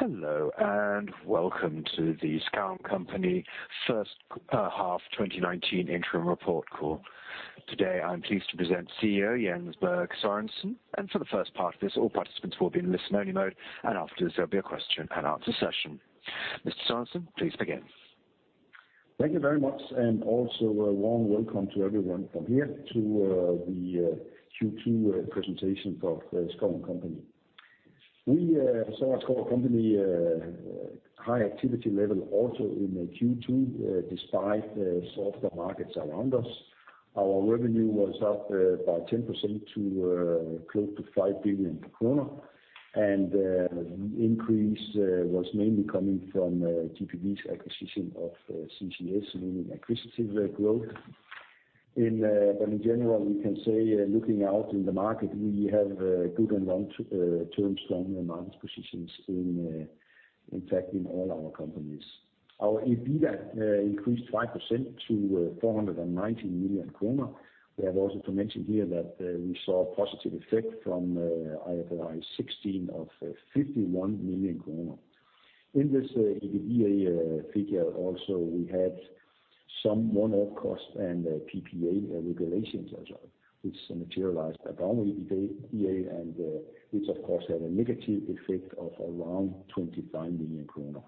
Hello, welcome to the Schouw & Co. first half 2019 interim report call. Today, I'm pleased to present CEO, Jens Bjerg Sørensen, and for the first part of this, all participants will be in listen only mode, and after, there'll be a question and answer session. Mr. Sørensen, please begin. Thank you very much. Also a warm welcome to everyone from here to the Q2 presentation for the Schouw & Co. We saw at Schouw & Co. high activity level also in the Q2, despite the softer markets around us. Our revenue was up by 10% to close to 5 billion kroner. The increase was mainly coming from GPV's acquisition of CCS, meaning acquisitive growth. In general, we can say, looking out in the market, we have good and long-term strong market positions, in fact, in all our companies. Our EBITDA increased 5% to 490 million kroner. We have also to mention here that we saw a positive effect from IFRS 16 of 51 million kroner. In this EBITDA figure also, we had some one-off costs and PPA regulations as well, which materialized upon EBITDA and which of course had a negative effect of around 25 million kroner.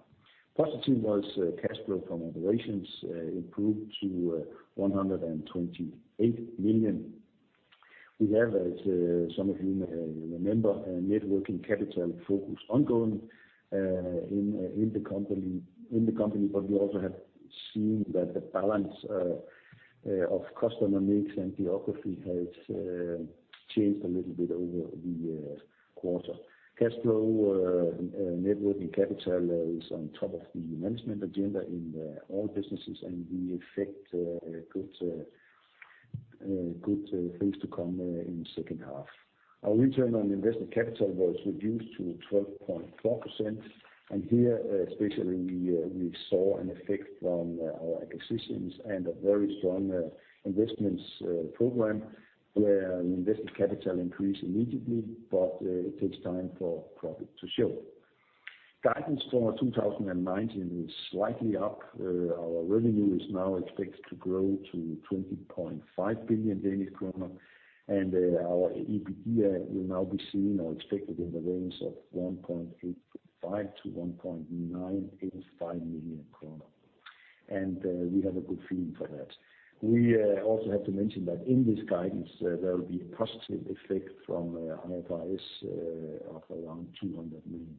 Positive was cash flow from operations improved to 128 million. We have, as some of you may remember, a net working capital focus ongoing in the company, but we also have seen that the balance of customer mix and geography has changed a little bit over the quarter. Cash flow, net working capital is on top of the management agenda in all businesses, and we expect good things to come in the second half. Our return on invested capital was reduced to 12.4%, and here especially, we saw an effect from our acquisitions and a very strong investments program where invested capital increased immediately, but it takes time for profit to show. Guidance for 2019 is slightly up. Our revenue is now expected to grow to 20.5 billion Danish krone, and our EBITDA will now be seen or expected in the range of 1.85 million-1.985 million krone. We have a good feeling for that. We also have to mention that in this guidance, there will be a positive effect from IFRS of around 200 million.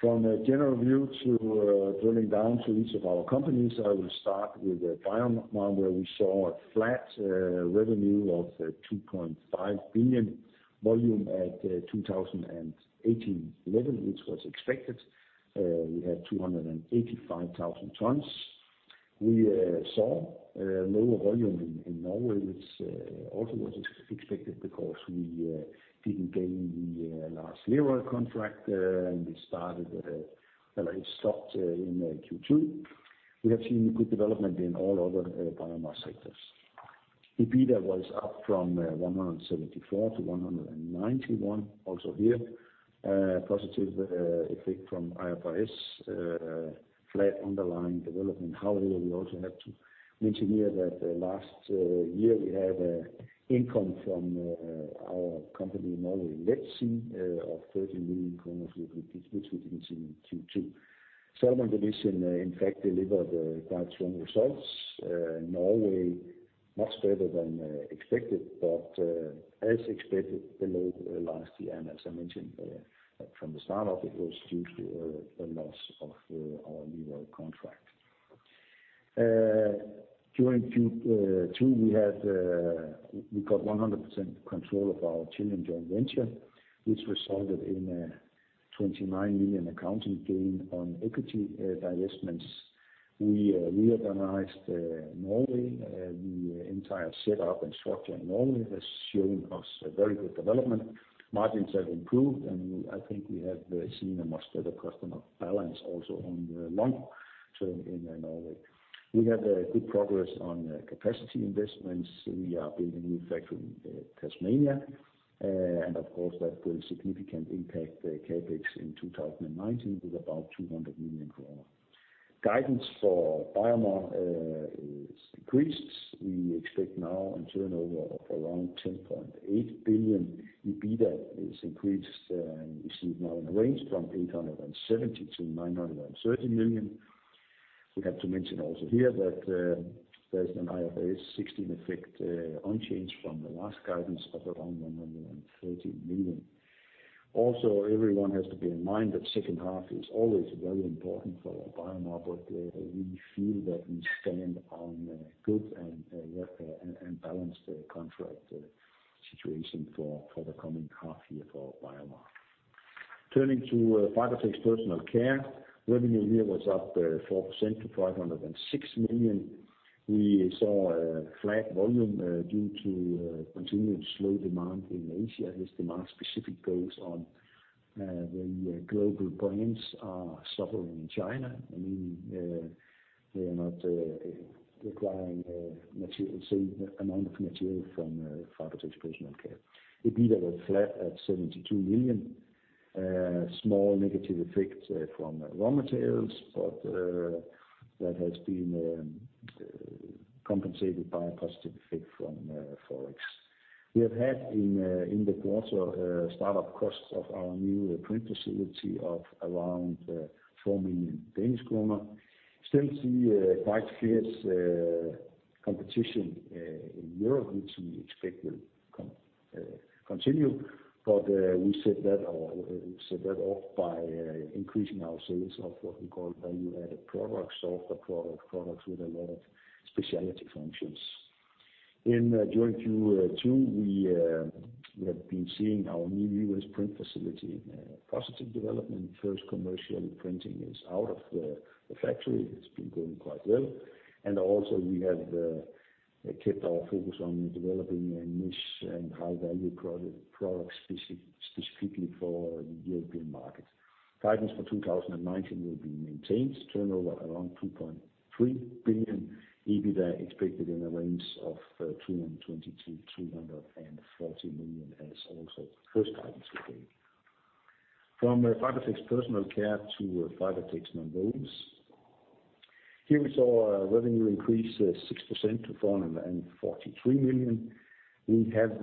From a general view to drilling down to each of our companies, I will start with BioMar, where we saw a flat revenue of 2.5 billion, volume at 2018 level, which was expected. We had 285,000 tons. We saw lower volume in Norway, which also was expected because we didn't gain the last Lerøy contract, and it stopped in Q2. We have seen a good development in all other BioMar sectors. EBITDA was up from 174 million-191 million Also here, positive effect from IFRS, flat underlying development. However, we also have to mention here that last year we had an income from our company in Norway, LetSea, of 30 million kroner, which we didn't see in Q2. Salmon division, in fact, delivered quite strong results. Norway, much better than expected, but as expected below last year. As I mentioned from the start of it was due to a loss of our Lerøy contract. During Q2, we got 100% control of our Chilean joint venture, which resulted in a 29 million accounting gain on equity divestments. We reorganized Norway. The entire setup and structure in Norway has shown us a very good development. Margins have improved, and I think we have seen a much better customer balance also on the long term in Norway. We have a good progress on capacity investments. We are building a new factory in Tasmania. Of course, that will significantly impact the CapEx in 2019 with about 200 million kroner. Guidance for BioMar is increased. We expect now a turnover of around 10.8 billion. EBITDA is increased and received now in a range from 870 million-930 million. We have to mention also here that there is an IFRS 16 effect, unchanged from the last guidance of around 130 million. Also, everyone has to bear in mind that second half is always very important for BioMar, but we feel that we stand on good and balanced contract situation for the coming half year for BioMar. Turning to Fibertex Personal Care, revenue here was up 4% to 506 million. We saw a flat volume due to continued slow demand in Asia as demand specific goes on the global brands are suffering in China, meaning they are not requiring same amount of material from Fibertex Personal Care. EBITDA was flat at 72 million. A small negative effect from raw materials, but that has been compensated by a positive effect from Forex. We have had, in the quarter, startup costs of our new print facility of around 4 million Danish kroner. We still see quite fierce competition in Europe, which we expect will continue. We set that off by increasing our sales of what we call value-added products, softer products with a lot of specialty functions. During Q2, we have been seeing our new U.S. print facility positive development. First commercial printing is out of the factory. It's been going quite well, and also we have kept our focus on developing a niche and high-value product specifically for the European market. Guidance for 2019 will be maintained. Turnover around 2.3 billion. EBITDA expected in a range of 220 million-240 million as also first guidance we gave. From Fibertex Personal Care to Fibertex Nonwovens. Here we saw a revenue increase 6% to 443 million. We have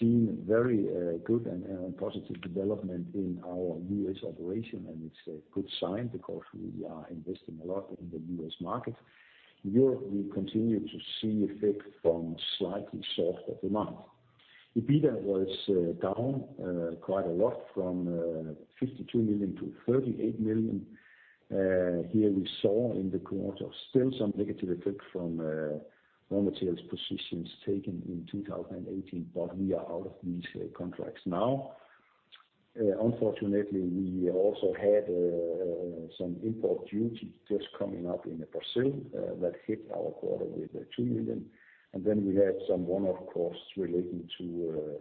seen very good and positive development in our U.S. operation, and it's a good sign because we are investing a lot in the U.S. market. In Europe, we continue to see effect from slightly softer demand. EBITDA was down quite a lot from 52 million to 38 million. Here we saw in the quarter still some negative effect from raw materials positions taken in 2018, but we are out of these contracts now. Unfortunately, we also had some import duty just coming up in Brazil that hit our quarter with 2 million. Then we had some one off costs relating to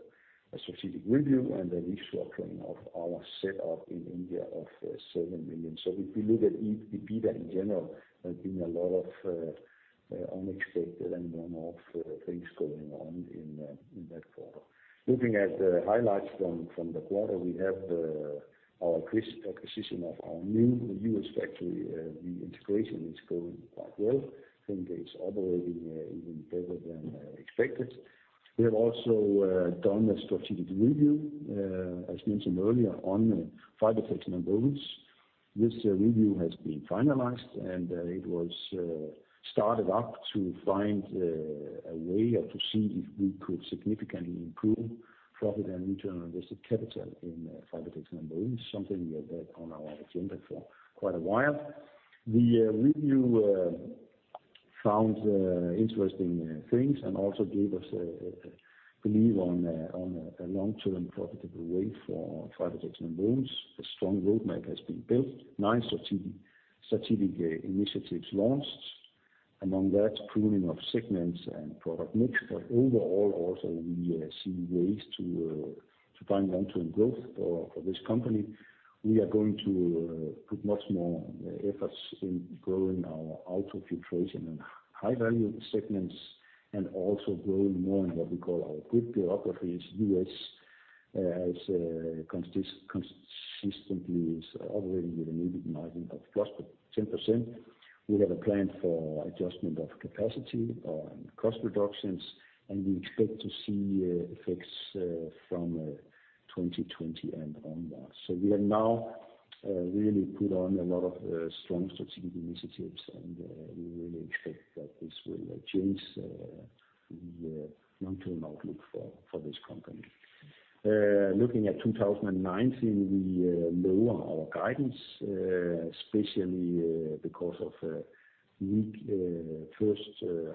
a strategic review and a restructuring of our set up in India of 7 million. If you look at EBITDA in general, there's been a lot of unexpected and one-off things going on in that quarter. Looking at the highlights from the quarter, we have our acquisition of our new U.S. factory. The integration is going quite well. I think it's operating even better than expected. We have also done a strategic review, as mentioned earlier, on Fibertex Nonwovens. This review has been finalized, and it was started up to find a way or to see if we could significantly improve profit and return on invested capital in Fibertex Nonwovens, something we have had on our agenda for quite a while. The review found interesting things and also gave us a belief on a long-term profitable way for Fibertex Nonwovens. A strong roadmap has been built. Nine strategic initiatives launched. Among that, pruning of segments and product mix, but overall also we see ways to find long-term growth for this company. We are going to put much more efforts in growing our ultrafiltration and high-value segments, and also growing more in what we call our good geographies. U.S. has consistently operating with an EBIT margin of +10%. We have a plan for adjustment of capacity and cost reductions, and we expect to see effects from 2020 and onwards. We have now really put on a lot of strong strategic initiatives, and we really expect that this will change the long-term outlook for this company. Looking at 2019, we lower our guidance, especially because of a weak first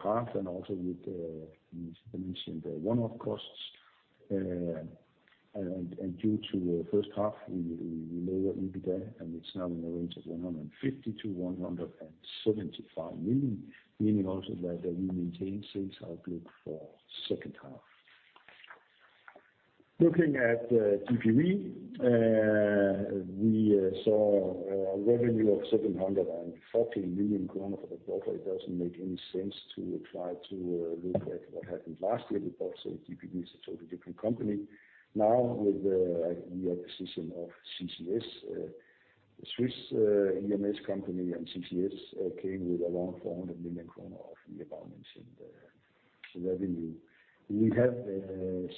half and also with the mentioned one-off costs. Due to first half, we lower EBITDA, and it's now in a range of 150 million-175 million, meaning also that we maintain sales outlook for second half. Looking at GPV, we saw a revenue of 740 million kroner for the quarter. It doesn't make any sense to try to look at what happened last year because GPV is a totally different company. Now with the acquisition of CCS, a Swiss EMS company, and CCS came with around 400 million kroner of year balance in the revenue. We have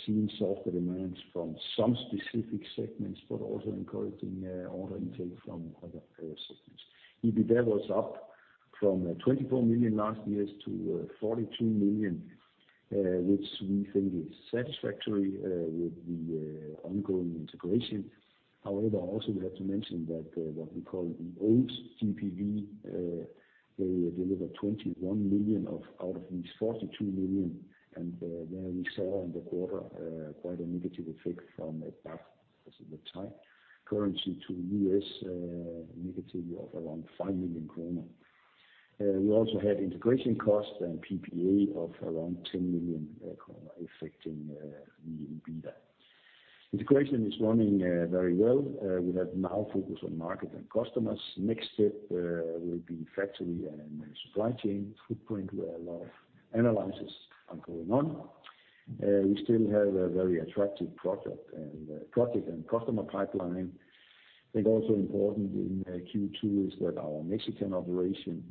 seen softer demands from some specific segments, but also encouraging order intake from other segments. EBITDA was up from 24 million last year to 42 million, which we think is satisfactory with the ongoing integration. We have to mention that what we call the old GPV, they delivered 21 million of out of these 42 million, and there we saw in the quarter quite a negative effect from back, at the time, currency to U.S. negative of around 5 million kroner. We also had integration costs and PPA of around 10 million kroner affecting the EBITDA. Integration is running very well. We have now focused on market and customers. Next step will be factory and supply chain footprint, where a lot of analysis are going on. We still have a very attractive product and customer pipeline. Also important in Q2 is that our Mexican operation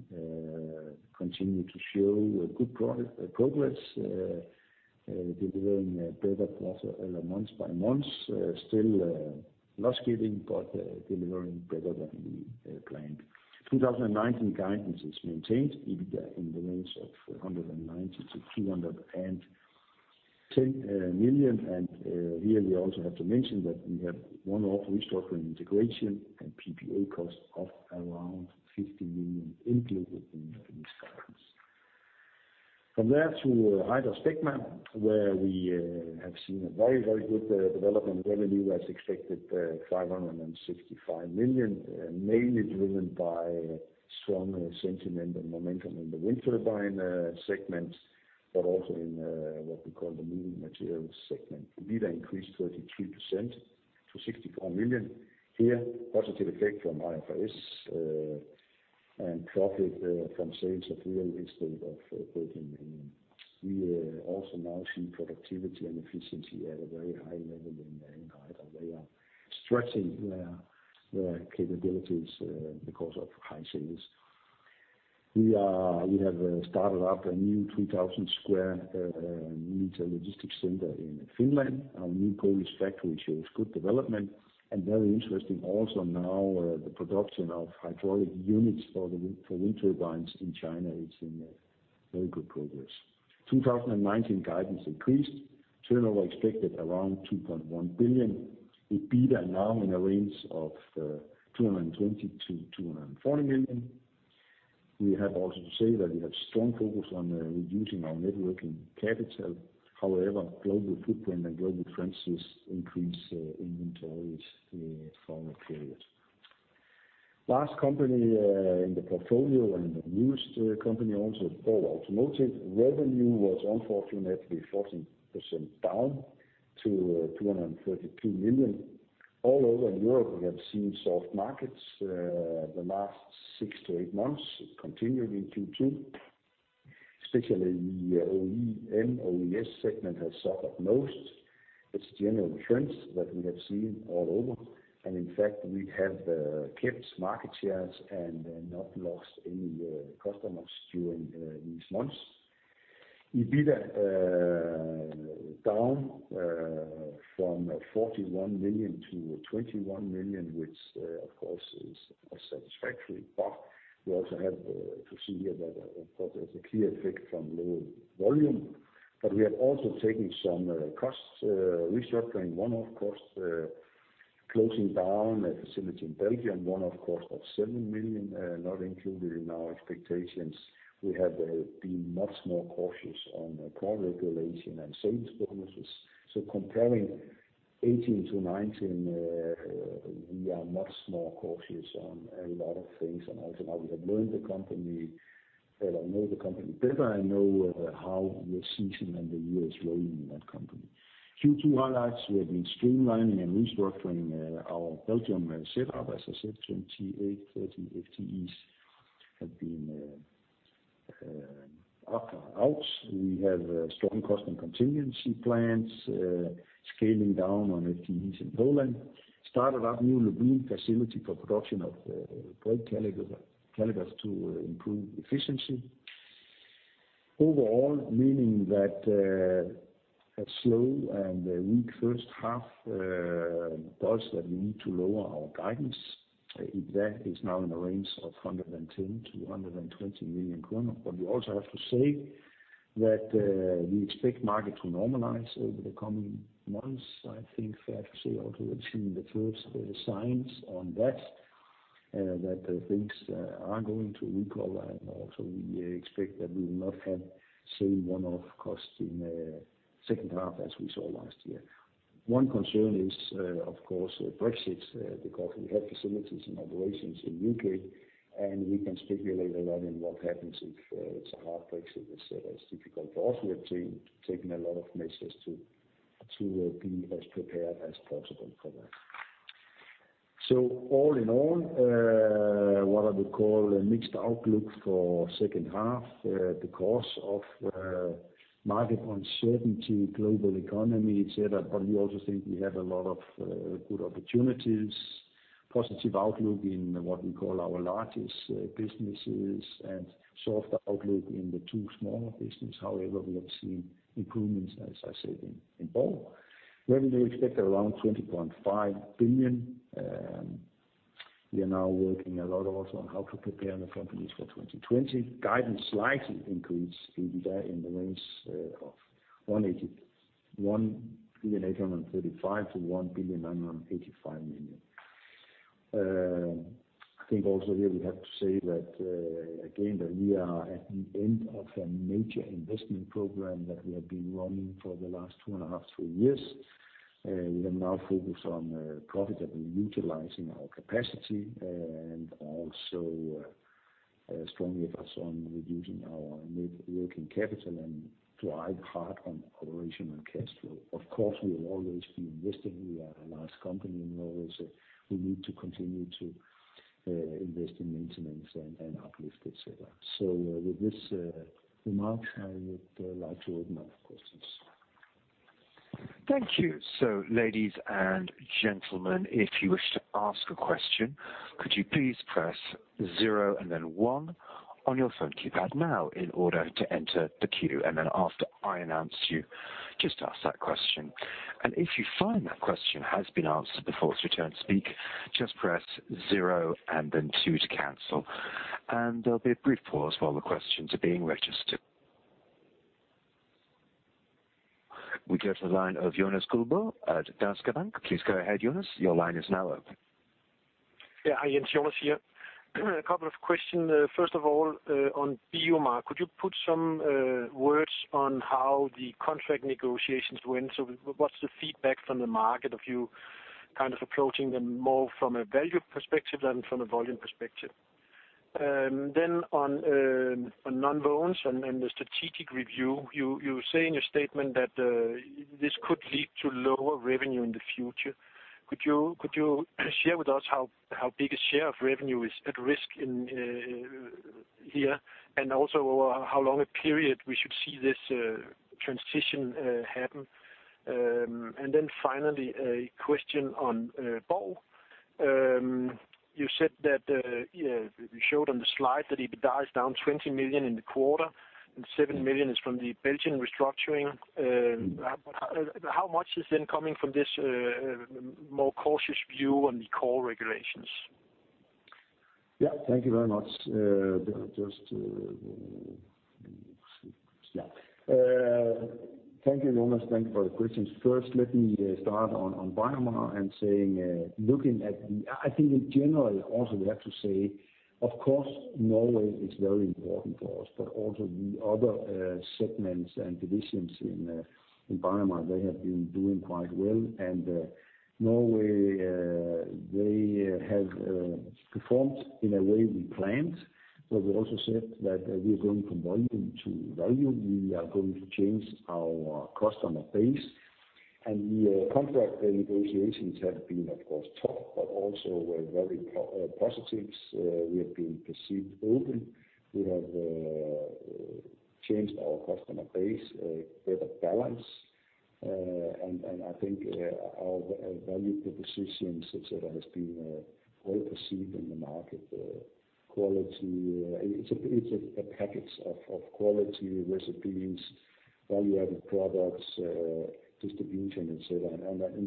continued to show good progress, delivering better quarter month-by-month. Still loss-giving, but delivering better than we planned. 2019 guidance is maintained, EBITDA in the range of 190 million-210 million. Here we also have to mention that we have one-off restructuring integration and PPA cost of around 50 million included in this guidance. From there to HydraSpecma, where we have seen a very good development. Revenue as expected, 565 million, mainly driven by strong sentiment and momentum in the wind turbine segment, also in what we call the moving materials segment. EBITDA increased 33% to 64 million. Here, positive effect from IFRS and profit from sales of wheel instead of braking minimum. We also now see productivity and efficiency at a very high level in HydraSpecma. They are stretching their capabilities because of high sales. We have started up a new 3,000 sq m logistics center in Finland. Our new Polish factory shows good development and very interesting also now the production of hydraulic units for wind turbines in China is in very good progress. 2019 guidance increased, turnover expected around 2.1 billion, with EBITDA now in a range of 220 million-240 million. We have also to say that we have strong focus on reducing our net working capital. Global footprint and global trends increase inventories for a period. Last company in the portfolio and the newest company also, Borg Automotive. Revenue was unfortunately 14% down to 232 million. All over Europe, we have seen soft markets the last six to eight months, continued in Q2. Especially the OEM/OES segment has suffered most. It's general trends that we have seen all over. In fact, we have kept market shares and not lost any customers during these months. EBITDA down from 41 million to 21 million, which of course is unsatisfactory. We also have to see here that, of course, there's a clear effect from low volume. We have also taken some cost restructuring, one-off cost closing down a facility in Belgium, one-off cost of 7 million not included in our expectations. We have been much more cautious on core regulation and sales bonuses. Comparing 2018-2019, we are much more cautious on a lot of things and also now we have learned the company better and know how the season and the year is rolling in that company. Q2 highlights, we have been streamlining and restructuring our Belgium setup. As I said, 28, 30 FTEs have been out. We have strong cost and contingency plans, scaling down on FTEs in Poland. Started up new machining facility for production of brake calipers to improve efficiency. Overall, meaning that a slow and a weak first half tells that we need to lower our guidance. EBITDA is now in the range of 110 million-120 million kroner. We also have to say that we expect market to normalize over the coming months. I think fair to say also we've seen the first signs on that things are going to recover and also we expect that we will not have same one-off costs in the second half as we saw last year. One concern is, of course, Brexit, because we have facilities and operations in U.K., and we can speculate a lot in what happens if it's a hard Brexit, et cetera. It's difficult, but also we have taken a lot of measures to be as prepared as possible for that. All in all, what I would call a mixed outlook for second half because of market uncertainty, global economy, et cetera. We also think we have a lot of good opportunities, positive outlook in what we call our largest businesses and softer outlook in the two smaller businesses. However, we have seen improvements, as I said, in Borg Automotive. Revenue expected around 20.5 billion. We are now working a lot also on how to prepare the companies for 2020. Guidance slightly increased, EBITDA in the range of 1,835 million-1,985 million. I think also here we have to say that, again, that we are at the end of a major investment program that we have been running for the last two and a half, three years. We are now focused on profitably utilizing our capacity and also a strong focus on reducing our net working capital and to eye hard on operational cash flow. Of course, we will always be investing. We are a large company and also we need to continue to invest in maintenance and uplift, et cetera. With this remark, I would like to open up for questions. Thank you. Ladies and gentlemen, if you wish to ask a question, could you please press 0 and then 1 on your phone keypad now in order to enter the queue? Then after I announce you, just ask that question. If you find that question has been answered before it's your turn to speak, just press 0 and then 2 to cancel. There'll be a brief pause while the questions are being registered. We go to the line of Jonas Guldborg at Danske Bank. Please go ahead, Jonas, your line is now open. Yeah. Hi. Yeah, Jonas here. A couple of questions. First of all, on BioMar, could you put some words on how the contract negotiations went? What's the feedback from the market of you kind of approaching them more from a value perspective than from a volume perspective? On nonwovens and the strategic review, you say in your statement that this could lead to lower revenue in the future. Could you share with us how big a share of revenue is at risk here, and also over how long a period we should see this transition happen? Finally, a question on Borg. You showed on the slide that EBITDA is down 20 million in the quarter and 7 million is from the Belgian restructuring. How much is then coming from this more cautious view on the core regulations? Yeah, thank you very much. Thank you, Jonas. Thank you for the questions. First, let me start on BioMar and saying, I think in general, also we have to say, of course, Norway is very important for us, but also the other segments and divisions in BioMar, they have been doing quite well. Norway, they have performed in a way we planned, but we also said that we are going from volume to value. We are going to change our customer base and the contract negotiations have been, of course, tough, but also were very positives. We have been perceived open. We have changed our customer base, better balance. I think our value propositions, et cetera, has been well perceived in the market. Quality. It's a package of quality recipes, value-added products, distribution, et cetera.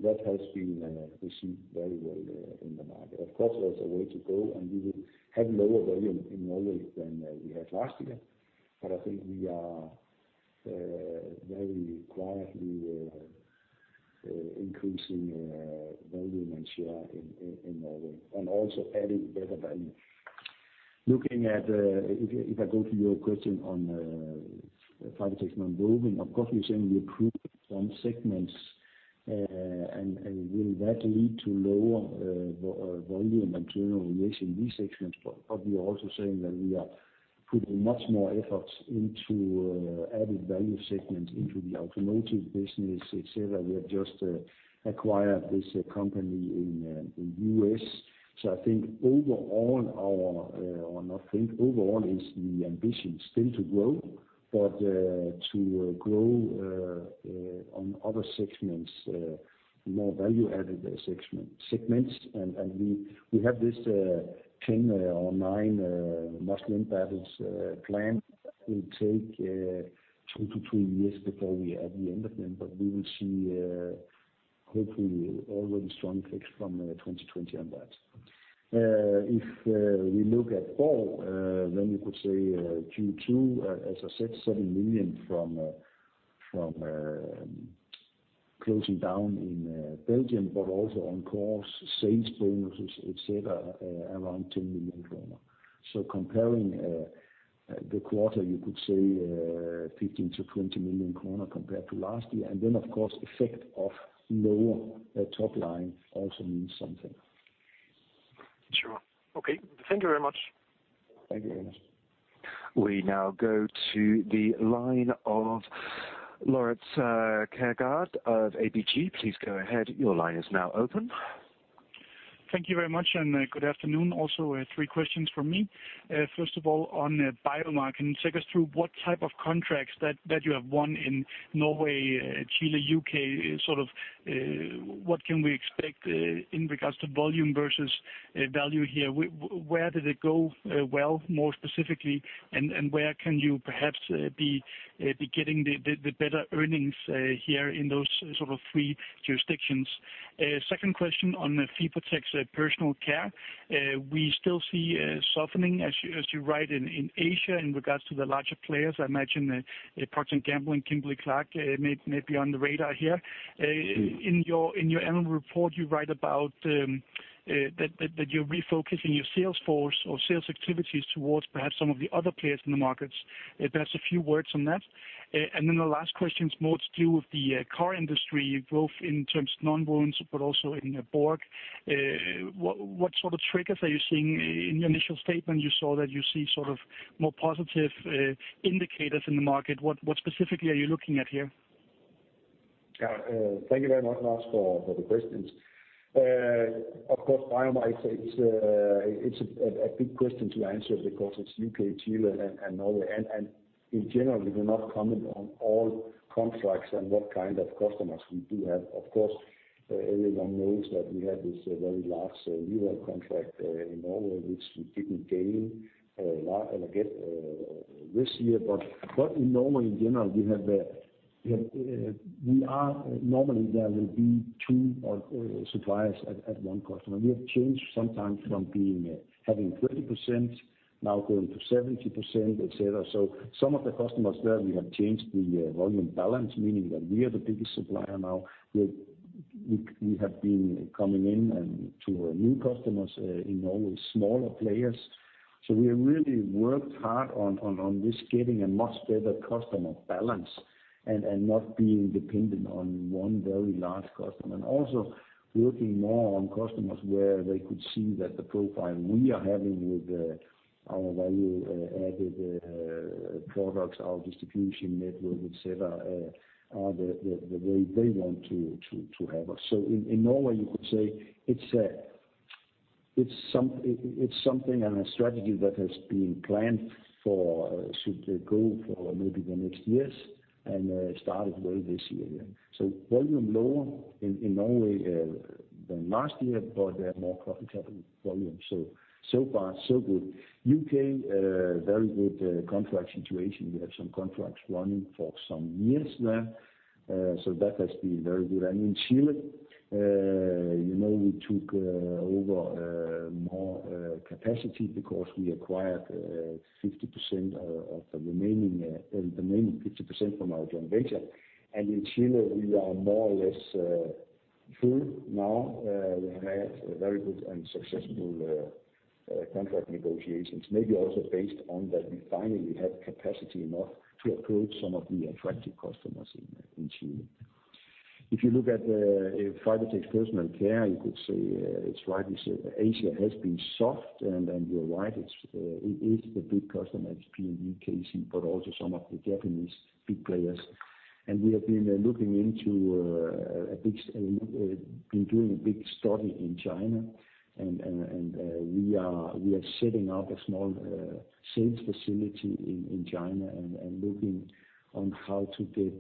That has been received very well in the market. Of course, there's a way to go, and we will have lower volume in Norway than we had last year. I think we are very quietly increasing volume and share in Norway and also adding better value. If I go to your question on Fibertex Nonwovens, of course, we're saying we approved some segments, will that lead to lower volume and general relation in these segments? We are also saying that we are putting much more efforts into added value segments into the automotive business, et cetera. We have just acquired this company in U.S. I think overall is the ambition still to grow, to grow on other segments, more value-added segments. We have this 10 or nine nanotechnology planned that will take two to three years before we are at the end of them. We will see hopefully already strong effects from 2020 on that. If we look at Borg, then you could say Q2, as I said, 7 million from closing down in Belgium, but also on core sales bonuses, et cetera, around 10 million kroner. Comparing the quarter, you could say 15 million-20 million kroner compared to last year. Of course, effect of lower top line also means something. Sure. Okay. Thank you very much. Thank you. We now go to the line of Laurits Kvistgaard of ABG. Please go ahead. Your line is now open. Thank you very much and good afternoon. Three questions from me. First of all, on BioMar. Can you take us through what type of contracts that you have won in Norway, Chile, U.K.? What can we expect in regards to volume versus value here? Where did it go well, more specifically, and where can you perhaps be getting the better earnings here in those sort of three jurisdictions? Second question on Fibertex Personal Care. We still see a softening as you write in Asia in regards to the larger players. I imagine Procter & Gamble and Kimberly-Clark may be on the radar here. In your annual report, you write about that you're refocusing your sales force or sales activities towards perhaps some of the other players in the markets. Perhaps a few words on that. The last question is more to do with the car industry growth in terms of nonwovens, but also in Borg. What sort of triggers are you seeing? In your initial statement you saw that you see sort of more positive indicators in the market. What specifically are you looking at here? Thank you very much, Laurits, for the questions. Of course, BioMar, it's a big question to answer because it's U.K., Chile, and Norway. In general, we do not comment on all contracts and what kind of customers we do have. Of course, everyone knows that we had this very large Lerøy contract in Norway, which we didn't gain or get this year. In Norway in general, normally there will be two suppliers at one customer. We have changed sometimes from having 30% now going to 70%, et cetera. Some of the customers there, we have changed the volume balance, meaning that we are the biggest supplier now. We have been coming in to new customers in Norway, smaller players. We have really worked hard on just getting a much better customer balance and not being dependent on one very large customer. Also working more on customers where they could see that the profile we are having with our value-added products, our distribution network, et cetera, are the way they want to have us. In Norway, you could say it's something and a strategy that has been planned for, should go for maybe the next years and started well this year. Volume lower in Norway than last year, but more profitable volume. So far so good. U.K., very good contract situation. We have some contracts running for some years now. That has been very good. In Chile, we took over more capacity because we acquired 50% of the remaining 50% from our joint venture. In Chile, we are more or less full now. We have had very good and successful contract negotiations. Maybe also based on that we finally have capacity enough to approach some of the attractive customers in Chile. If you look at Fibertex Personal Care, you could say, it's right, you said Asia has been soft, and you're right. It is the big customer that's P&G, also some of the Japanese big players. We have been doing a big study in China, and we are setting up a small sales facility in China and looking on how to get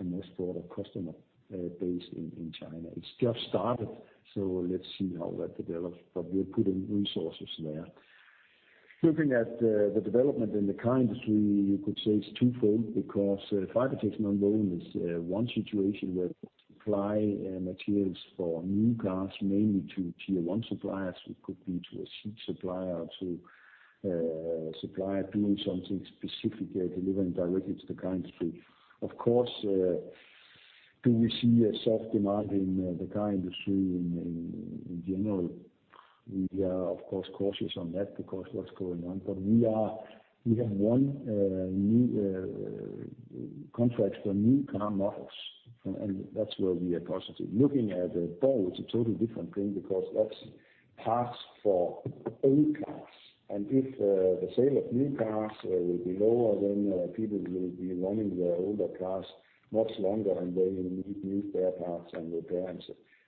a much broader customer base in China. It's just started, let's see how that develops. We're putting resources there. Looking at the development in the car industry, you could say it's twofold because Fibertex Nonwovens is one situation where we supply materials for new cars, mainly to Tier 1 suppliers. It could be to a seat supplier, to a supplier doing something specific, delivering directly to the car industry. Do we see a soft demand in the car industry in general? We are, of course, cautious on that because what's going on. We have won new contracts for new car models, that's where we are positive. Looking at Borg, it's a totally different thing because that's parts for old cars. If the sale of new cars will be lower, people will be running their older cars much longer. They will need new spare parts and repairs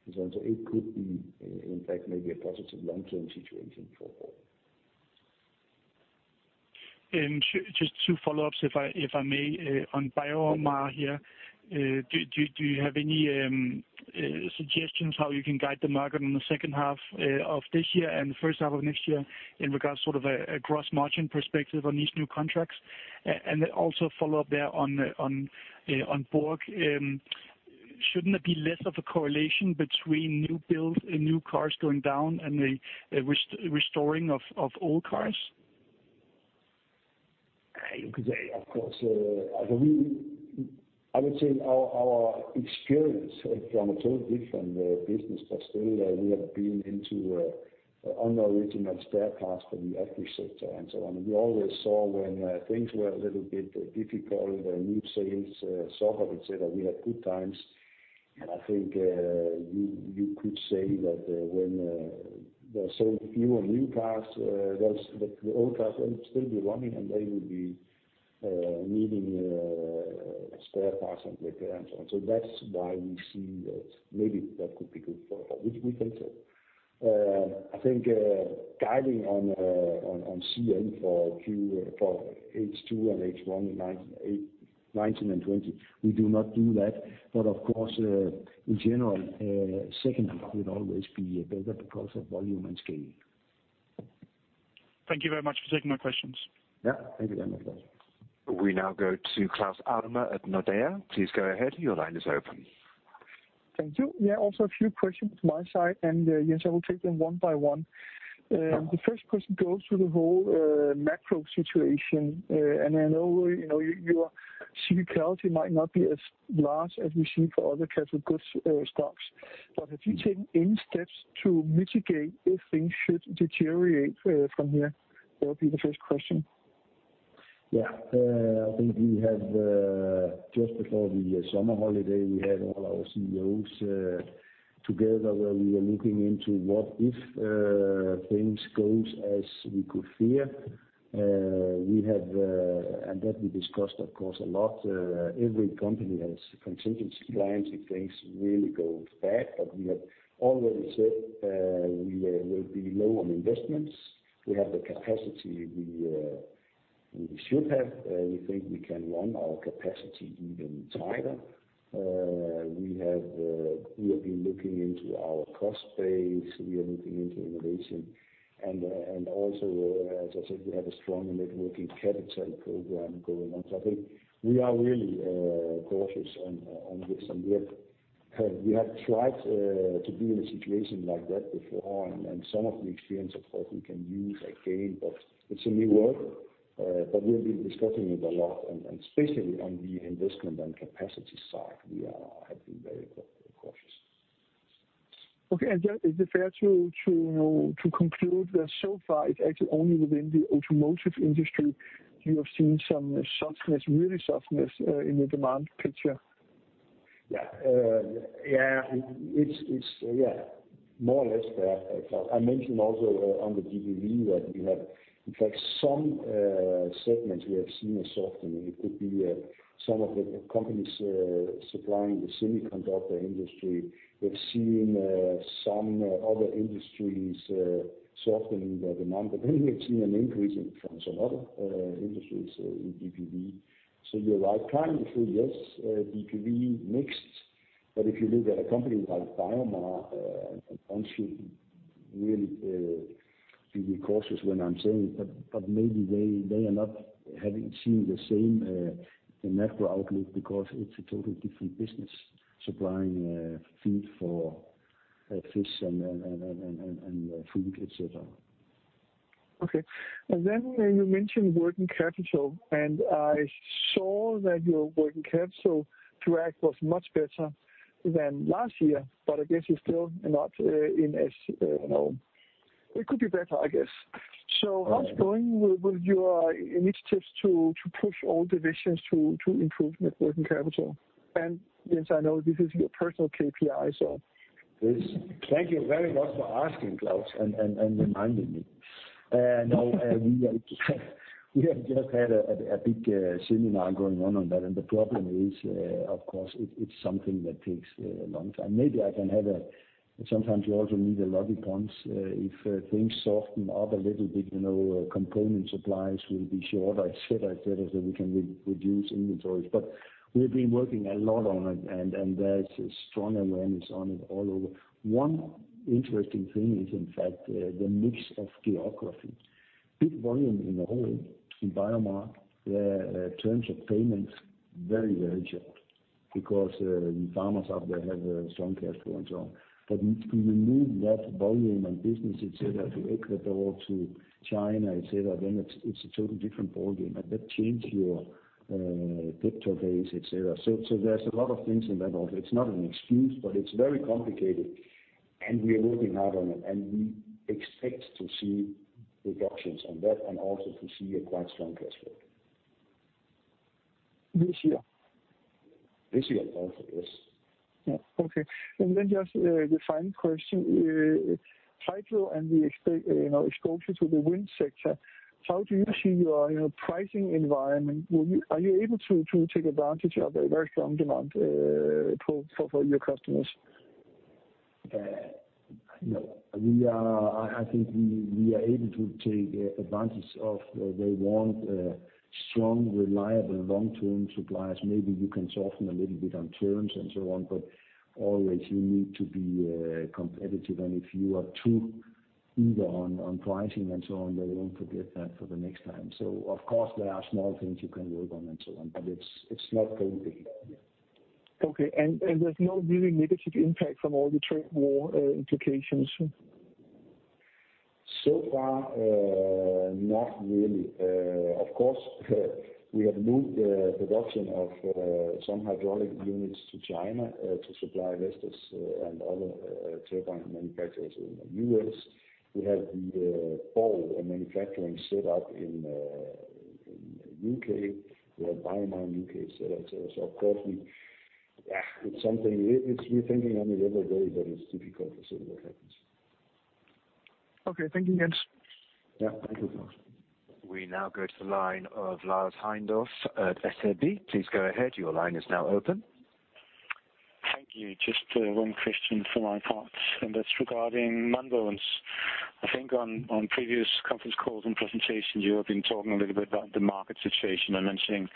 and so on. It could be, in fact, maybe a positive long-term situation for Borg. Just two follow-ups, if I may. On BioMar here, do you have any suggestions how you can guide the market in the second half of this year and the first half of next year in regards sort of a gross margin perspective on these new contracts? Then also a follow-up there on Borg. Shouldn't there be less of a correlation between new builds and new cars going down and the restoring of old cars? You could say, of course. I would say our experience from a totally different business, but still, we have been into original spare parts for the agri sector and so on. We always saw when things were a little bit difficult, new sales softened, et cetera, we had good times. I think you could say that when they're selling fewer new cars, the old cars will still be running, and they will be needing spare parts and repairs. That's why we see that maybe that could be good for Borg, which we think so. I think guiding on CM for H2 and H1 in 2019 and 2020, we do not do that. Of course, in general, second half will always be better because of volume and scaling. Thank you very much for taking my questions. Yeah, thank you very much. We now go to Claus Almer at Nordea. Please go ahead. Your line is open. Thank you. Yeah, also a few questions my side. Yes, I will take them one by one. The first question goes to the whole macro situation. I know your cyclicality might not be as large as we see for other capital goods stocks. Have you taken any steps to mitigate if things should deteriorate from here? That would be the first question. Yeah. I think just before the summer holiday, we had all our CEOs together where we were looking into what if things go as we could fear. That we discussed, of course, a lot. Every company has contingency plans if things really go bad. We have already said we will be low on investments. We have the capacity we should have. We think we can run our capacity even tighter. We have been looking into our cost base, we are looking into innovation, and also, as I said, we have a strong net working capital program going on. I think we are really cautious on this and we have tried to be in a situation like that before, and some of the experience, of course, we can use again, but it's a new world. We've been discussing it a lot, and especially on the investment and capacity side, we have been very cautious. Okay. Is it fair to conclude that so far, it's actually only within the automotive industry you have seen some real softness in the demand picture? It's more or less that. I mentioned also on the GPV that we have, in fact, some segments we have seen are softening. It could be some of the companies supplying the semiconductor industry. We've seen some other industries softening their demand, but then we have seen an increase in it from some other industries in GPV. You're right. Currently, yes, GPV mixed, but if you look at a company like BioMar, and I should really be cautious when I'm saying it, but maybe they are not having seen the same macro outlook because it's a totally different business, supplying food for fish and food, et cetera. Okay. You mentioned working capital, and I saw that your working capital drag was much better than last year, but I guess it could be better, I guess. How's it going with your initiatives to push all divisions to improve net working capital? Jens, I know this is your personal KPI. Thank you very much for asking, Claus, and reminding me. We have just had a big seminar going on on that, and the problem is, of course, it's something that takes a long time. Sometimes you also need a lucky punch. If things soften up a little bit, component supplies will be shorter, et cetera, et cetera, so we can reduce inventories. We've been working a lot on it, and there's a strong awareness on it all over. One interesting thing is, in fact, the mix of geography. Big volume in the whole, in BioMar, terms of payments, very, very short, because the farmers out there have strong cash flow and so on. If we remove that volume and business, et cetera, to export to China, et cetera, then it's a totally different ballgame, and that change your debtor days, et cetera. There's a lot of things in that also. It's not an excuse, but it's very complicated, and we are working hard on it, and we expect to see reductions on that and also to see a quite strong cash flow. This year? This year. Hopefully, yes. Yeah. Okay. Just the final question. Hydro and the exposure to the wind sector, how do you see your pricing environment? Are you able to take advantage of a very strong demand for your customers? I think we are able to take advantage of, they want strong, reliable, long-term suppliers. Maybe you can soften a little bit on terms and so on, but always you need to be competitive, and if you are too eager on pricing and so on, they won't forget that for the next time. Of course, there are small things you can work on and so on, but it's not going big. Okay. There's no really negative impact from all the trade war implications? Far, not really. Of course, we have moved the production of some hydraulic units to China to supply investors and other turbine manufacturers in the U.S. We have the ball manufacturing set up in the U.K. We have BioMar in the U.K. set up, so of course, it's something we're thinking on it every day, but it's difficult to say what happens. Okay. Thank you, Jens. Yeah. Thank you, Claus. We now go to the line of Lars Heindorff at SEB. Please go ahead. Your line is now open. Thank you. Just one question for my part, and that's regarding BioMar. I think on previous conference calls and presentations, you have been talking a little bit about the market situation and mentioning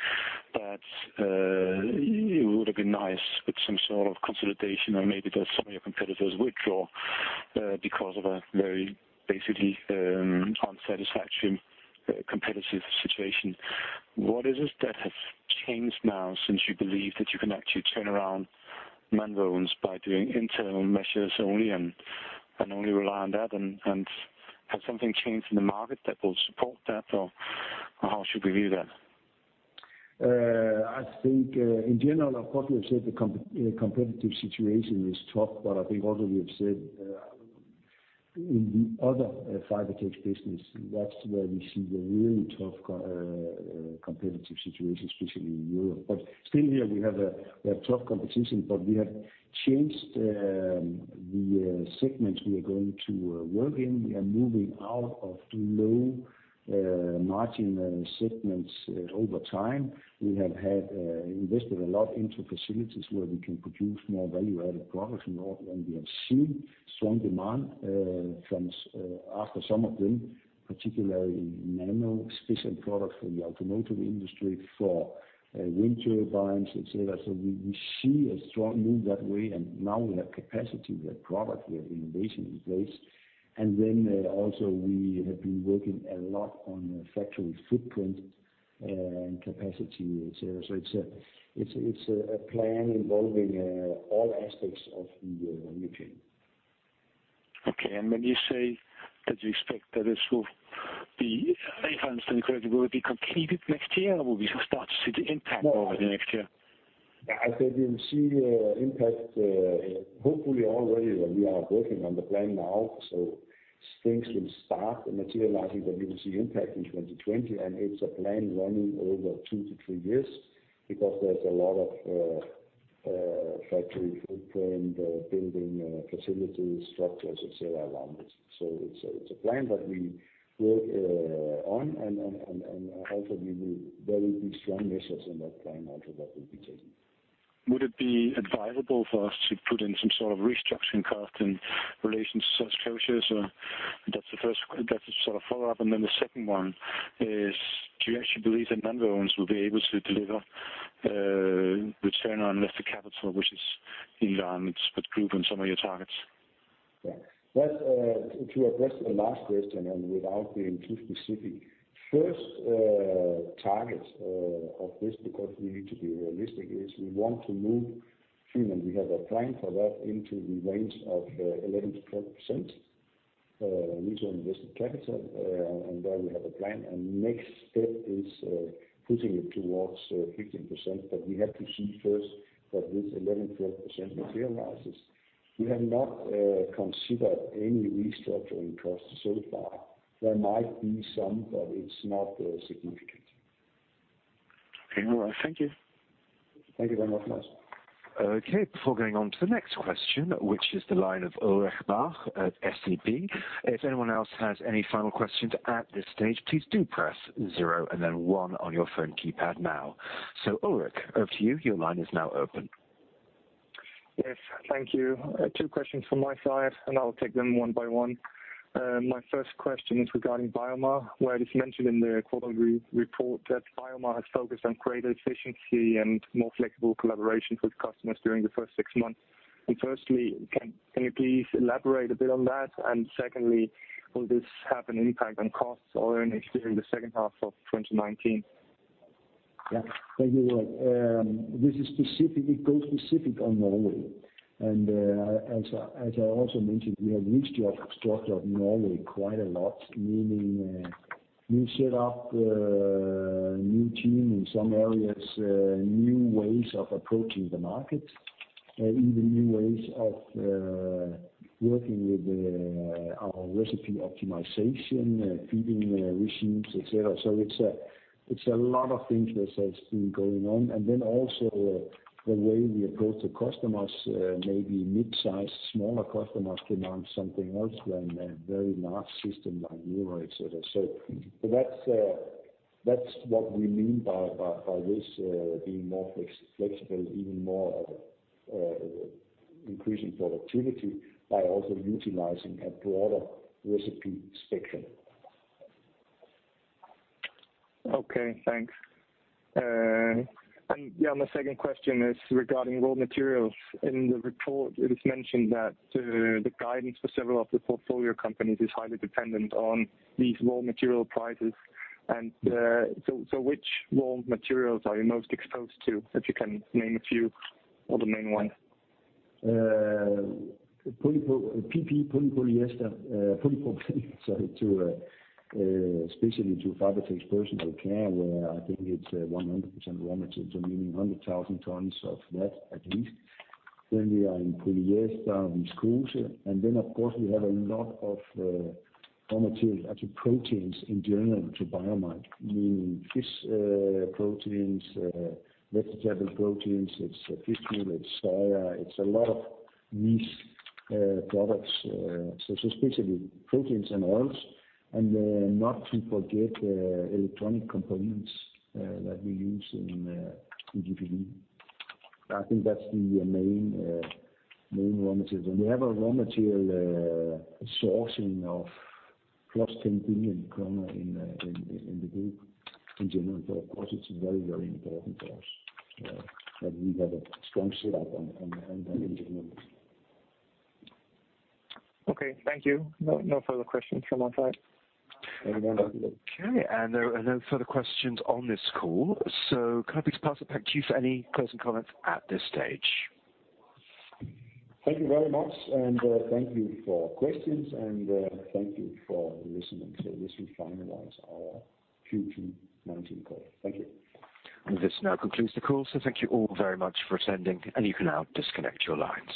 that it would have been nice with some sort of consolidation or maybe that some of your competitors withdraw because of a very basically unsatisfactory competitive situation. What is it that has changed now since you believe that you can actually turn around BioMar by doing internal measures only and only rely on that, and has something changed in the market that will support that, or how should we view that? I think in general, of course, we have said the competitive situation is tough, but I think also we have said in the other Fibertex business, that's where we see the really tough competitive situation, especially in Europe. Still here we have tough competition, but we have changed the segments we are going to work in. We are moving out of the low margin segments over time. We have invested a lot into facilities where we can produce more value-added products, and we have seen strong demand after some of them, particularly nanotechnology, special products for the automotive industry, for wind turbines, et cetera. We see a strong move that way, and now we have capacity, we have product, we have innovation in place. Also we have been working a lot on factory footprint and capacity, et cetera. It's a plan involving all aspects of the value chain. Okay. When you say that you expect that this will be, if I understand correctly, will it be completed next year, or will we start to see the impact of it next year? I said we'll see the impact, hopefully, already we are working on the plan now. Things will start materializing, but we will see impact in 2020, and it's a plan running over two to three years because there's a lot of factory footprint, building facilities, structures, et cetera around it. It's a plan that we work on, and also there will be strong measures in that plan also that will be taken. Would it be advisable for us to put in some sort of restructuring cost in relation to such closures? That's the first follow-up. The second one is, do you actually believe that Dan Williams be able to deliver return on invested capital, which is in line with group and some of your targets? To address the last question without being too specific. First target of this, because we need to be realistic, is we want to move treatment, we have a plan for that into the range of 11% to 12% return on invested capital, and there we have a plan, and next step is pushing it towards 15%. We have to see first that this 11%-12% materializes. We have not considered any restructuring costs so far. There might be some, but it's not significant. Okay. All right. Thank you. Thank you very much, Lars. Okay. Before going on to the next question, which is the line of Ulrich Bach at SEB. If anyone else has any final questions at this stage, please do press 0 and then 1 on your phone keypad now. Ulrich, over to you. Your line is now open. Yes. Thank you. Two questions from my side, I'll take them one by one. My first question is regarding BioMar, where it is mentioned in the quarter report that BioMar has focused on greater efficiency and more flexible collaborations with customers during the first six months. Firstly, can you please elaborate a bit on that? Secondly, will this have an impact on costs or earnings during the second half of 2019? Yeah. Thank you. This is specific. It goes specific on Norway. As I also mentioned, we have restructured Norway quite a lot, meaning we set up a new team in some areas, new ways of approaching the market, even new ways of working with our recipe optimization, feeding regimes, et cetera. It's a lot of things that has been going on. Then also the way we approach the customers, maybe mid-size, smaller customers demand something else than a very large system like Europe, et cetera. That's what we mean by this being more flexible, even more of increasing productivity by also utilizing a broader recipe spectrum. Okay, thanks. Yeah, my second question is regarding raw materials. In the report, it is mentioned that the guidance for several of the portfolio companies is highly dependent on these raw material prices. Which raw materials are you most exposed to, if you can name a few or the main ones? PP, polypropylene, especially to Fibertex Personal Care, where I think it's 100% raw materials, meaning 100,000 tons of that at least. We are in polyester and viscose. Of course, we have a lot of raw materials, actually proteins in general to BioMar, meaning fish proteins, vegetable proteins. It's a fish meal, it's soya, it's a lot of niche products. Specifically proteins and oils, and not to forget electronic components that we use in GPV. I think that's the main raw materials. We have a raw material sourcing of plus 10 billion kroner in the group in general. Of course, it's very important to us that we have a strong set up and in general. Okay, thank you. No further questions from my side. Thank you very much. Okay, there are no further questions on this call. Can I please pass it back to you for any closing comments at this stage? Thank you very much, and thank you for questions, and thank you for listening. This will finalize our Q2 2019 call. Thank you. This now concludes the call. Thank you all very much for attending, and you can now disconnect your lines.